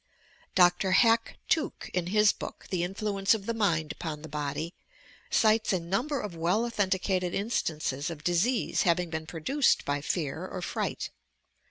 Dr. Hack Tuke, in his book, "The Influence of the Mind Upon the Body," cites a number of well authen ticated instances of disease having been produced by fear or fright.